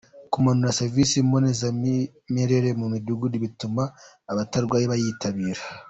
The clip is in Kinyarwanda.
Kumanura serivisi mbonezamirire mu midugudu bituma n’abatarwaye bayitabira.